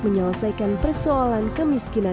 menyelesaikan persoalan kemiskinan